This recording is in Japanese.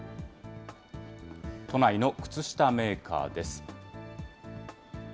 都内の靴下メーカーです。